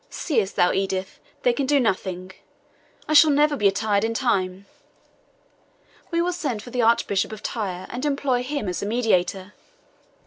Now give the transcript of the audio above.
Seest thou, Edith, they can do nothing; I shall never be attired in time. We will send for the Archbishop of Tyre, and employ him as a mediator."